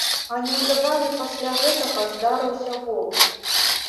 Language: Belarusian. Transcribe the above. А неўзабаве пасля гэтага здарыўся гол.